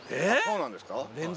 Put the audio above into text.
そうなんですか？